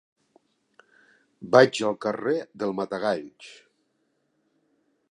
Vaig al carrer del Matagalls.